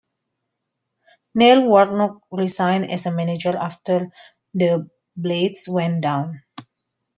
Neil Warnock resigned as manager after the Blades went down.